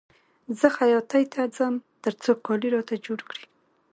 زه خیاطۍ ته ځم تر څو کالي راته جوړ کړي